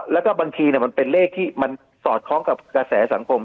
แล้วก็บางทีมันเป็นเลขที่มันสอดคล้องกับกระแสสังคม